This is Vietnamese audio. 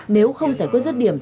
nếu không giải quyết rứt điểm